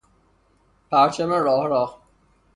پرچم راه راه